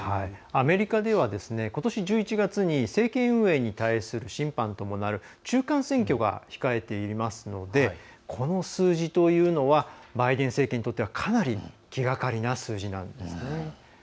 アメリカではことし１１月に政権運営に対する審判に伴う中間選挙が控えていますのでこの数字というのはバイデン政権にとってはかなり気がかりな数字なんですね。